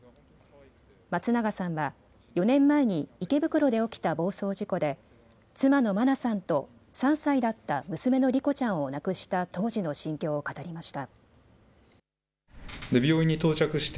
松永さんは４年前に池袋で起きた暴走事故で妻の真菜さんと３歳だった娘の莉子ちゃんを亡くした当時の心境を語りました。